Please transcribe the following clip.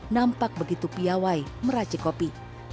nampak begitu piawai meracik kopi